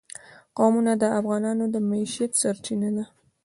قومونه د افغانانو د معیشت سرچینه ده.